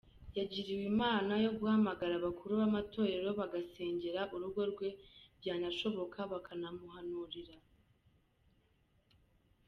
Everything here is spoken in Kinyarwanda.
Yagiriwe Imana yo guhamagara abakuru b’amatorero bagasengera urugo rwe byanashoboka bakanamuhanurira.